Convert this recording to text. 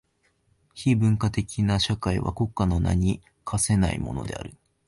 非文化的な社会は国家の名に価せないものである。